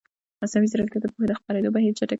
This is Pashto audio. مصنوعي ځیرکتیا د پوهې د خپرېدو بهیر چټکوي.